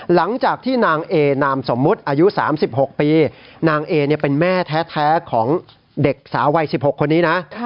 หลังจากที่นางเอนามสมมุติอายุ๓๖ปีนางเอเป็นแม่แท้ของเด็กสาววัย๑๖คนนี้นะ